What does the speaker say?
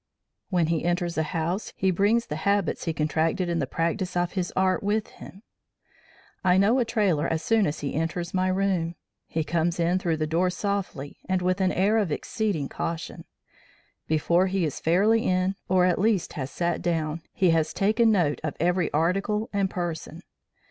When he enters a house, he brings the habits he contracted in the practice of his art with him. I know a trailer as soon he enters my room. He comes in through the door softly, and with an air of exceeding caution. Before he is fairly in, or at least has sat down, he has taken note of every article and person.